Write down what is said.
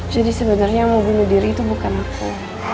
jadi sebenernya mau bunuh diri itu bukan aku